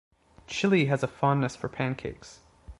Chilly has a fondness for pancakes.